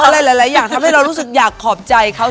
อะไรหลายอย่างทำให้เรารู้สึกอยากขอบใจเขา